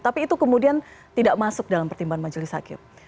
tapi itu kemudian tidak masuk dalam pertimbangan majelis hakim